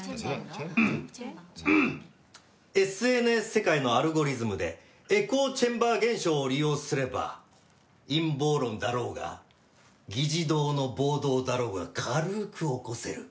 ＳＮＳ世界のアルゴリズムでエコーチェンバー現象を利用すれば陰謀論だろうが議事堂の暴動だろうが軽く起こせる。